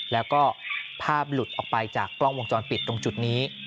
แล้วก็ภาพหลุดออกไปจากกล้องวงจรปิดตรงจุดนี้